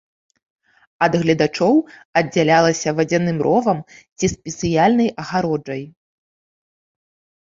Ад гледачоў аддзялялася вадзяным ровам ці спецыяльнай агароджай.